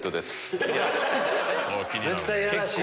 絶対やらしい。